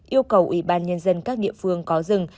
yêu cầu ủy ban nhân dân các địa phương có rừng